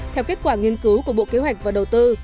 theo kết quả nghiên cứu của bộ kế hoạch và đầu tư